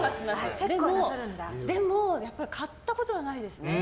でも買ったことはないですね。